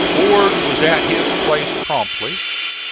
(*42) Ord was at his place promptly.